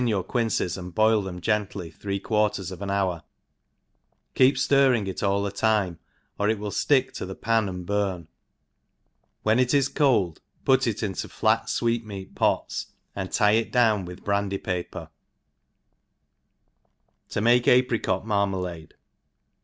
225 N i yonr quinces and boil them genti j three quarters, ofaji hour, keep ftirring it all the time> or it will ftick to the pan and burn ; when it is cold put it into fiat fweetnneat pots, and tie it dowa with brandy paper* 7a make Apricot Marmalade.